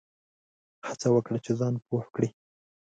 هڅه وکړه چي ځان پوه کړې !